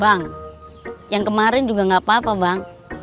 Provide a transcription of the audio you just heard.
bang yang kemarin juga nggak apa apa bang